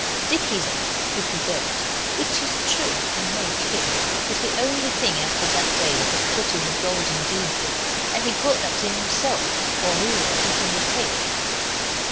Dicky's act with the goat (which is true, and no kid) was the only thing out of that day that was put in the Golden Deed book, and he put that in himself while we were hunting the pig.